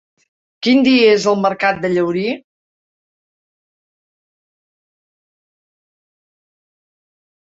Quin dia és el mercat de Llaurí?